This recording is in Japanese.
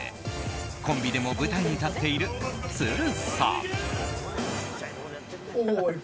コンビでも舞台に立っている都留さん。